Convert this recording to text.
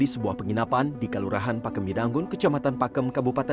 sementara orang tua ai heri prasetyo menyebut